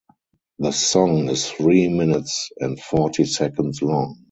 The song is three minutes and forty seconds long.